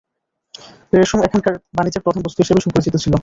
রেশম এখানকার বাণিজ্যের প্রধান বস্তু হিসাবে সুপরিচিত ছিল।